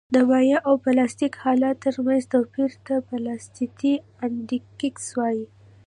د مایع او پلاستیک حالت ترمنځ توپیر ته پلاستیسیتي انډیکس وایي